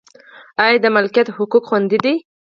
آیا د ملکیت حقوق خوندي دي؟